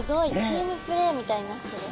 チームプレーみたいになってる。